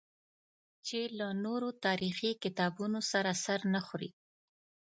چې له نورو تاریخي کتابونو سره سر نه خوري.